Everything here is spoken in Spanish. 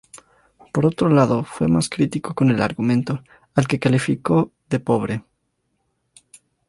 Por otro lado fue más crítico con el argumento, al que calificó de "pobre".